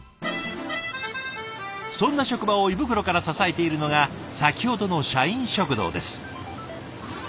そんな職場を胃袋から支えているのが先ほどの社員食堂です。